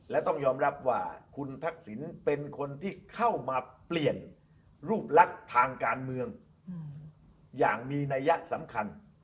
และต้องยอมรับว่าคุณทักษิณเป็นคนที่เข้ามาเปลี่ยนรูปลักษณ์ทางการเมืองอย่างมีนัยยะสำคัญ